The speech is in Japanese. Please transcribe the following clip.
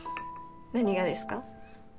何がですか？